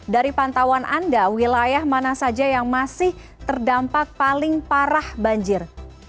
dari pantauan anda wilayah mana saja yang masih terdampak paling parah banjir